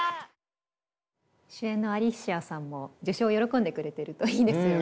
主演のアリシアさんも受賞を喜んでくれているといいですよね。